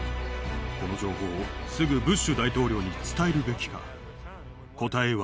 この情報をすぐブッシュ大統領に伝えるべきか。